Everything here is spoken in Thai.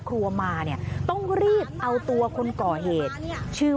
คุณผู้ชมคุณผู้ชมคุณผู้ชม